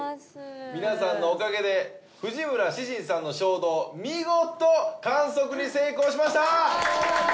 皆さんのおかげで藤村シシンさんの衝動見事観測に成功しました！